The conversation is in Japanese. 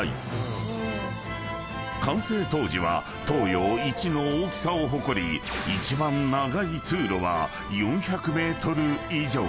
［完成当時は東洋一の大きさを誇り一番長い通路は４００ｍ以上］